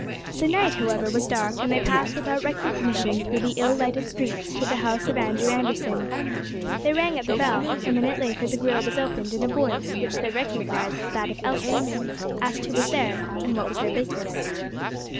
The night, however, was dark, and they passed without recognition through the ill lighted streets to the house of Andrew Anderson. They rang at the bell. A minute later the grille was opened, and a voice, which they recognized as that of Elspeth, asked who was there, and what was their business.